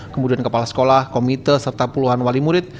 kemudian kepala sekolah komite serta puluhan wali murid